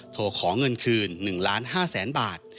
ขอเงินคืน๑ล้าน๕แสนบาท